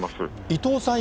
伊藤さん